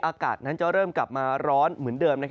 อากาศนั้นจะเริ่มกลับมาร้อนเหมือนเดิม